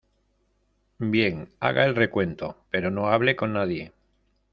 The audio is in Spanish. bien, haga el recuento , pero no hable con nadie.